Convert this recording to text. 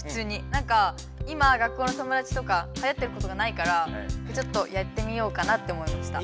なんか今学校の友だちとかはやってることがないからちょっとやってみようかなと思いました。